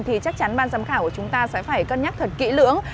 thì chắc chắn ban giám khảo của chúng ta sẽ phải cân nhắc thật kỹ lưỡng